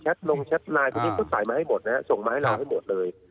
ชัดลงชัดไลน์จะสายมาให้หมดนะส่งมาให้่ให้หมดเลย